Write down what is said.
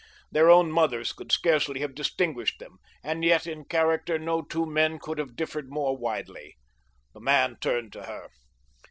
Their own mothers could scarce have distinguished them, and yet in character no two men could have differed more widely. The man turned to her.